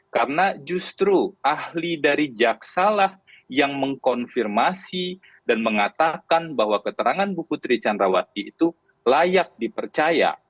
karena justru ahli dari jaksa lah yang mengkonfirmasi dan mengatakan bahwa keterangan bukti bukti candrawati itu layak dipercaya